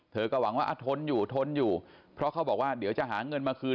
หวังว่าทนอยู่ทนอยู่เพราะเขาบอกว่าเดี๋ยวจะหาเงินมาคืน